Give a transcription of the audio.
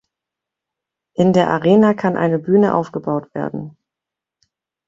In der Arena kann eine Bühne aufgebaut werden.